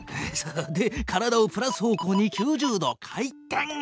で体をプラス方向に９０度回転！